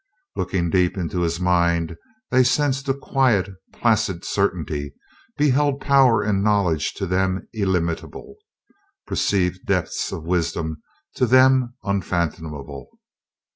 Looking deep into his mind they sensed a quiet, placid certainty, beheld power and knowledge to them illimitable, perceived depths of wisdom to them unfathomable.